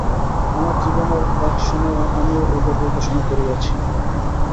আমার জীবনের এক সময়ে আমিও ঐভাবে উপাসনা করিয়াছি।